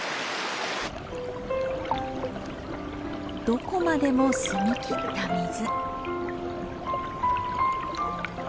どこまでも澄み切った水。